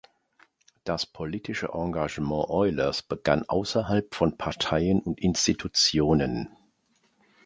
Das politische Engagement Eulers begann ausserhalb von Parteien und Institutionen.